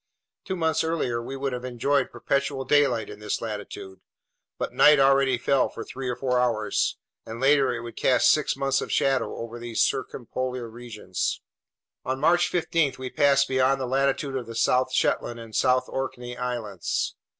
Two months earlier we would have enjoyed perpetual daylight in this latitude; but night already fell for three or four hours, and later it would cast six months of shadow over these circumpolar regions. On March 15 we passed beyond the latitude of the South Shetland and South Orkney Islands.